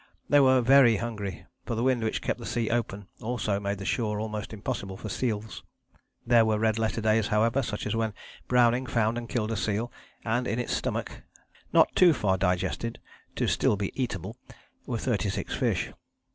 They were very hungry, for the wind which kept the sea open also made the shore almost impossible for seals. There were red letter days, however, such as when Browning found and killed a seal, and in its stomach, "not too far digested to be still eatable," were thirty six fish.